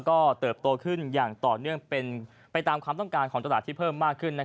ก็เติบโตขึ้นอย่างต่อเนื่องเป็นไปตามความต้องการของตลาดที่เพิ่มมากขึ้น